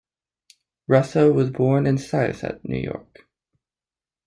Russo was born in Syosset, New York.